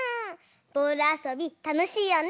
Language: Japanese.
ボールあそびたのしいよね！